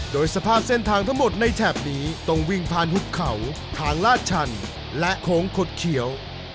โดยสภาพเส้นทางทั้งหมดในแถบนี้ต้องวิ่งผ่านหุบเขาทางลาดชันและโค้งขดเขียว